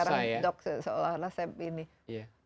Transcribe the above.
sekarang dok seolah olah saya begini